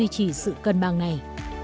chỉ sự cân bằng này